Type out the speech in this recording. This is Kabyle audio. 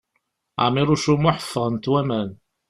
Ɛmiṛuc U Muḥ ffɣent waman.